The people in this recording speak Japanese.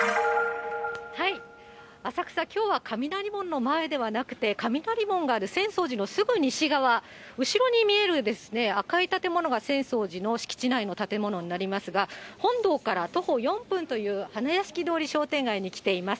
浅草、きょうは雷門の前ではなくて、雷門がある浅草寺のすぐ西側、後ろに見える赤い建物が浅草寺の敷地内の建物になりますが、本堂から徒歩４分という花やしき通り商店街に来ています。